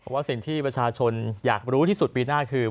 ว่าสิ่งที่ประชาชนอยากรู้ที่สุดปีหน้าคือ